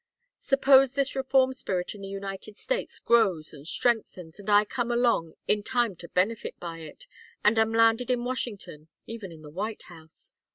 Suppose this reform spirit in the United States grows and strengthens, and I come along in time to benefit by it, and am landed in Washington even in the White House?